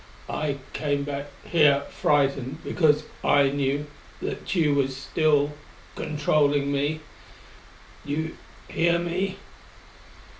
I came back here frightened because I knew that Tugh still controlled me. You hear me...."